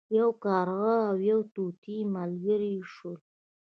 یو کارغه او یو طوطي ملګري شول.